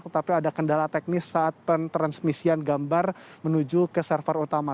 tetapi ada kendala teknis saat pentransmisian gambar menuju ke server utama